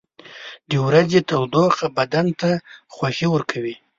• د ورځې تودوخه بدن ته خوښي ورکوي.